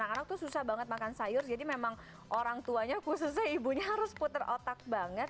anak anak tuh susah banget makan sayur jadi memang orang tuanya khususnya ibunya harus puter otak banget